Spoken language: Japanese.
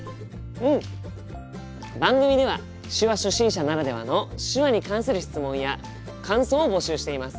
番組では手話初心者ならではの手話に関する質問や感想を募集しています。